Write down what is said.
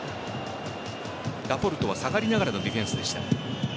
ラポルトは下がりながらのディフェンスでした。